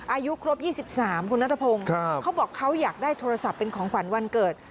อายุครบ๒๓คุณนัทพงศ์เขาบอกเขาอยากได้โทรศัพท์เป็นของขวัญวันเกิด